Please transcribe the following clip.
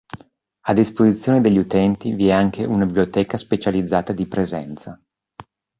A disposizione degli utenti vi è anche una biblioteca specializzata di presenza.